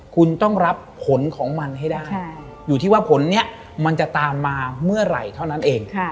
คุณต้องรับผลของมันให้ได้อยู่ที่ว่าผลนี้มันจะตามมาเมื่อไหร่เท่านั้นเอง